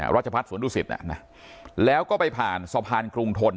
รัชพัฒนสวนดุสิตแล้วก็ไปผ่านสะพานกรุงทน